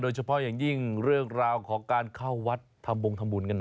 เฉพาะอย่างยิ่งเรื่องราวของการเข้าวัดทำบงทำบุญกันหน่อย